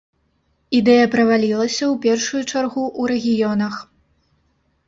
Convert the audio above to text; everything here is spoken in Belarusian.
Ідэя правалілася, у першую чаргу, у рэгіёнах.